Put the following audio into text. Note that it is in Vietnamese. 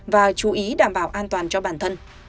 và chú ý đảm bảo an toàn cho bản thân